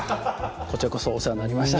こちらこそお世話になりました